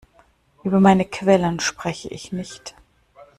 Über meine Quellen spreche ich nicht.